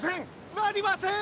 なりませーん！